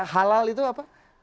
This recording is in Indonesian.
halal itu apa